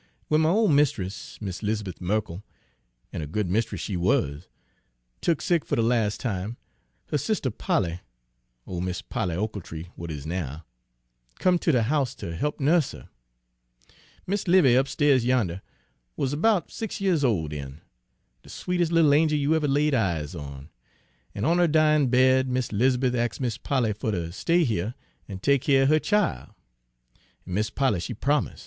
"Wen my ole mist'ess, Mis' 'Liz'beth Merkell, an' a good mist'ess she wuz, tuck sick fer de las' time, her sister Polly ole Mis' Polly Ochiltree w'at is now come ter de house ter he'p nuss her. Mis' 'Livy upstairs yander wuz erbout six years ole den, de sweetes' little angel you ever laid eyes on; an' on her dyin' bed Mis' 'Liz'beth ax' Mis' Polly fer ter stay hyuh an' take keer er her chile, an' Mis' Polly she promise'.